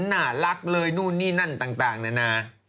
หน่ารักเลยนู่นนี่นั่นจะ